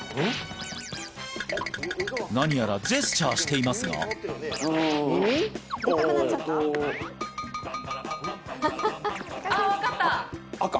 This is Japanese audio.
何やらジェスチャーしていますがえっとああアカ！